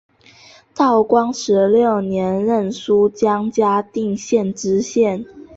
道光十六年任江苏嘉定县知县。